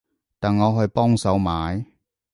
等我去幫手買